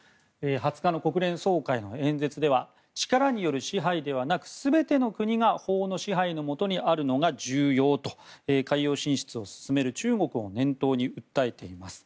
２０日の国連総会の演説では力による支配ではなく全ての国が法の支配の下にあるのが重要と海洋進出を進める中国を念頭に訴えています。